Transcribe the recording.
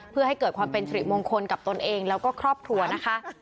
เพื่อให้เกิดความเป็นสิริมงคลกับตนเองแล้วก็ครอบครัวนะคะ